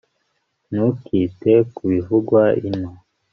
ntukite ku bivugwa ino